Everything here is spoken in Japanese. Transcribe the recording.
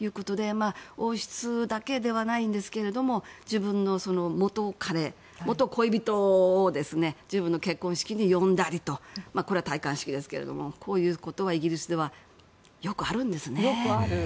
王室だけではないんですが自分の元カレ、元恋人を自分の結婚式に呼んだりとこれは戴冠式ですけどもこういうことはイギリスではよくあるんですね。